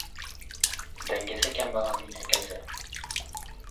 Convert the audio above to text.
• Dangasa ― kambag‘alning akasi.